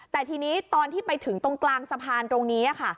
แต่ทีนี้ตอนที่ไปถึงตรงกลางสะพานตรงนี้ค่ะ